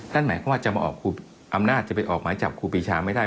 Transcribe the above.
ท่านหมายความว่าอำนาจจะไปออกไม้จับครูปรีชาไม่ได้